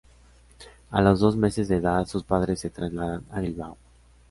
A los dos meses de edad sus padres se trasladan a Bilbao.